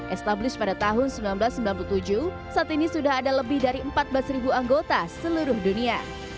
establis pada tahun seribu sembilan ratus sembilan puluh tujuh saat ini sudah ada lebih dari empat belas anggota seluruh dunia